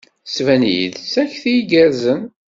Tettban-iyi-d d takti igerrzen!